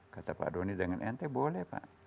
kata pak doni dengan ente boleh pak